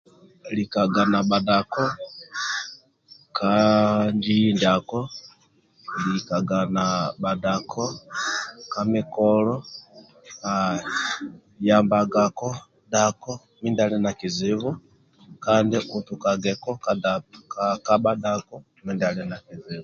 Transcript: Likaga na bhadako ka a inji ndiako likaga na bhadako ka mikolo aa.. yambagako dako midia ali na kizibu kandi okuduaga ka bhia dako mindia ali na kizibu